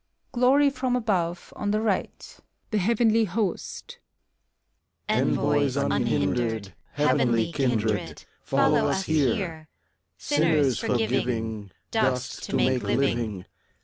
{Glory from above, on the right.) THE HEAVENLY HOST. Envoys, unhindered. Heavenly kindred. ACT F. 245 Follow us here! Sinners forgiving, Dust to make living!